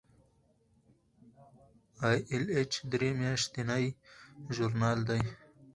ای ایل ایچ درې میاشتنی ژورنال دی.